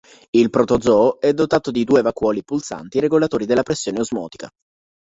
Il protozoo è dotato di due vacuoli pulsanti regolatori della pressione osmotica.